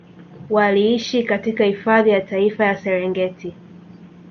Waliishi katika hifadhi ya Taifa ya Serengeti